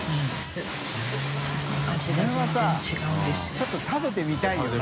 海譴呂ちょっと食べてみたいよな。